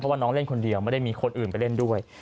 ว่าน้องเล่นคนเดียวไม่ได้มีคนอื่นไปเล่นด้วย